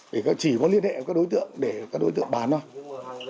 để chỉ có liên hệ với các đối tượng để các đối tượng bán thôi